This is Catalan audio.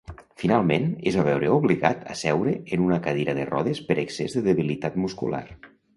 Finalment, es va veure obligat a seure en una cadira de rodes per excés de debilitat muscular.